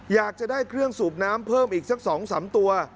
อยากจะได้เครื่องสูบน้ำเพิ่มอีกสัก๒๓ตัว